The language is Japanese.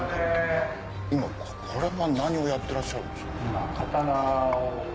今これは何をやってらっしゃるんですか？